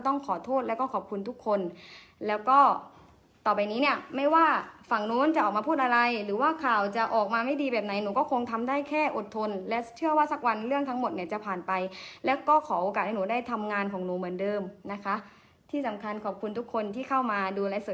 ทั้งทั้งหมดเนี้ยจะผ่านไปแล้วก็ขอโอกาสให้หนูได้ทำงานของหนูเหมือนเดิมนะคะที่สำคัญขอบคุณทุกคนที่เข้ามาดู